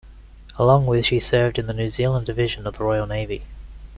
Along with she served in the New Zealand Division of the Royal Navy.